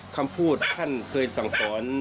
คำพูดท่านเคยสั่งสอน